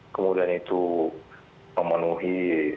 kemudian itu memenuhi